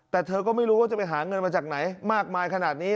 แต่เธอก็ไม่รู้ว่าจะไปหาเงินมาจากไหนมากมายขนาดนี้